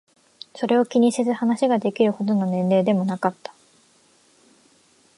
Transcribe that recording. それを気にせず話ができるほどの年齢でもなかった。